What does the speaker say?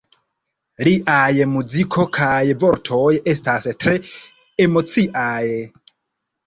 Liaj muziko kaj vortoj estas tre emociaj.